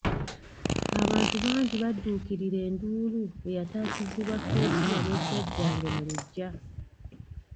Abantu bangi badduukirira enduulu eyatakizibwa Kezia ne Jjajjange mu luggya.